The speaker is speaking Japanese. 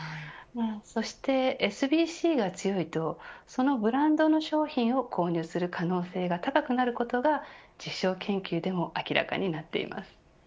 そして、ＳＢＣが強いとそのブランドの商品を購入する可能性が高くなることが実証研究でも明らかになっています。